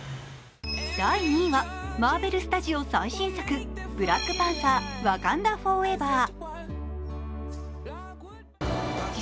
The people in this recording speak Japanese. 第２位はマーベル・スタジオ最新作「ブラックパンサー／ワカンダ・フォーエバー」